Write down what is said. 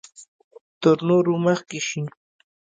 تر نورو مخکې شي.